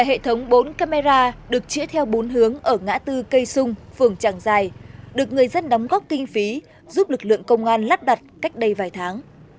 hệ thống bốn camera được chữa theo bốn hướng ở ngã tư cây sung phường tràng dài được người dân đóng góp kinh phí giúp lực lượng công an lắp đặt cách đây vài tháng